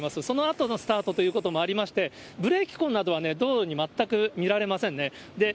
そのあとのスタートということもありまして、ブレーキ痕などは道路に全く見られませんね。